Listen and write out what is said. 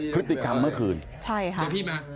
คุศติดคำเมื่อคุณใช่ค่ะ